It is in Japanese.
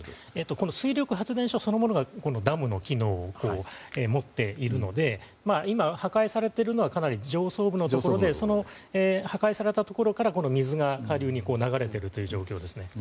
水力発電所そのものがダムの機能を持っているので今破壊されているのはかなり上層部のところで破壊されたところから水が下流に流れている状況ですね。